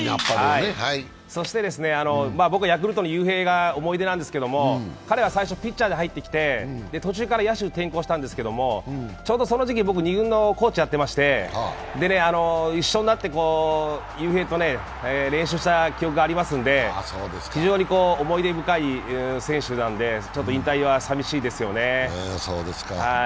そして、僕はヤクルトの雄平が思い出なんですけど、彼は最初、ピッチャーで入ってきて途中から野手へ転向したんですけどちょうどその時期、僕、２軍のコーチをやってまして一緒になって雄平と練習した記憶がありますので非常に思い出深い選手なので、ちょっと引退はさみしいですよね。